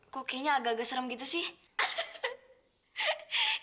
kok kayaknya agak agak serem gitu sih